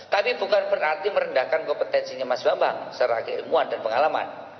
tapi bukan berarti merendahkan kompetensinya mas bambang secara keilmuan dan pengalaman